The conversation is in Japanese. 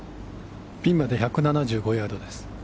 ピンまで１７５ヤードです。